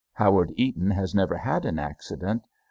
Howard Eaton has never had an accident.